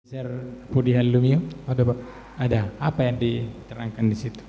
pak budi halilumio apa yang diterangkan disitu